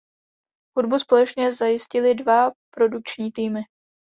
Hudbu společně zajistily dva produkční týmy.